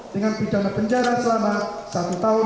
dengan pidana penjara selama satu tahun dengan masa persibaan dua tahun